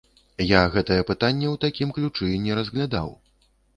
Я гэтае пытанне ў такім ключы не разглядаў.